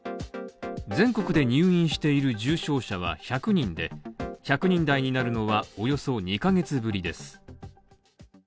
全国で入院している重症者は１００人で１００人台になるのはおよそ２ヶ月ぶりです。